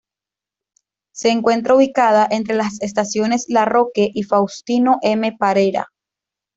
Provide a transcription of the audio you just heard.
Se encuentra ubicada entre las estaciones Larroque y Faustino M. Parera.